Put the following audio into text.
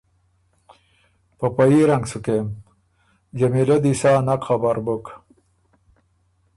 په په يي رنګ سُو کېم۔ جمیلۀ دی سا نک خبر بُک